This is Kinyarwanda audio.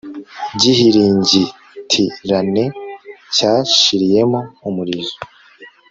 Gihiringitirane cyashiriyemo umurizo